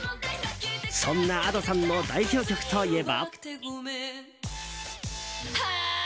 そんなＡｄｏさんの代表曲といえば。